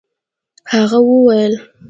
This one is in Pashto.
هغه وويل.